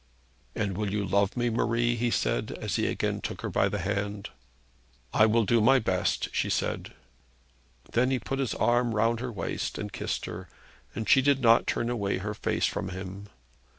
'And you will love me, Marie?' he said, as he again took her by the hand. 'I will do my best,' she said. Then he put his arm round her waist and kissed her, and she did not turn away her face from him.